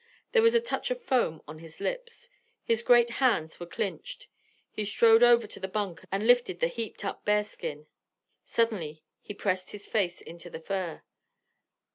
There was a touch of foam on his lips. His great hands were clinched. He strode over to the bunk and lifted the heaped up bearskin. Suddenly he pressed his face into the fur.